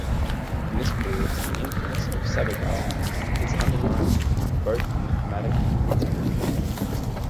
In this period the influence of Sabogal is undeniable both in thematic and technique.